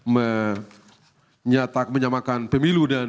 menyatakan menyamakan pemilu dan